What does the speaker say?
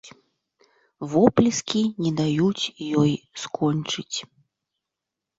Воплескі не даюць ёй скончыць.